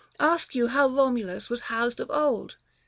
Ask you how Eomulus was housed of old